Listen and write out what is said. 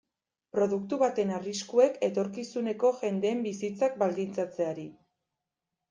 Produktu baten arriskuek etorkizuneko jendeen bizitzak baldintzatzeari.